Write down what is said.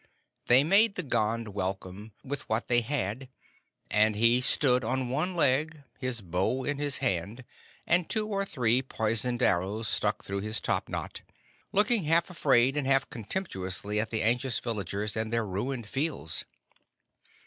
They made the Gond welcome with what they had, and he stood on one leg, his bow in his hand, and two or three poisoned arrows stuck through his top knot, looking half afraid and half contemptuously at the anxious villagers and their ruined fields.